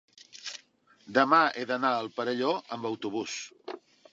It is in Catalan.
demà he d'anar al Perelló amb autobús.